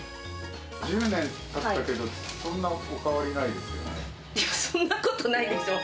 １０年たったけど、そんなおいや、そんなことないでしょう。